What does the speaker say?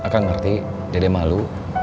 kang ngerti dede malu